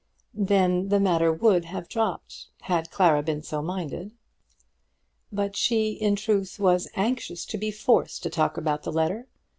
Then the matter would have dropped had Clara been so minded, but she, in truth, was anxious to be forced to talk about the letter.